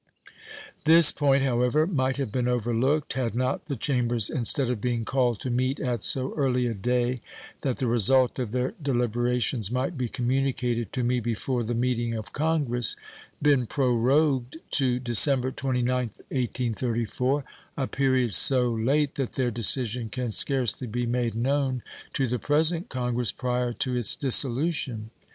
This point, however, might have been over looked had not the Chambers, instead of being called to meet at so early a day that the result of their deliberations might be communicated to me before the meeting of Congress, been prorogued to December 29th, 1834 a period so late that their decision can scarcely be made known to the present Congress prior to its dissolution.